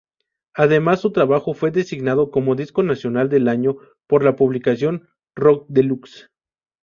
Además su trabajo fue designado como Disco Nacional del año por la publicación Rockdelux.